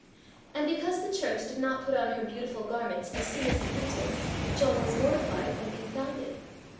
And because the church did not put on her beautiful garments as soon as he entered, John was mortified and confounded.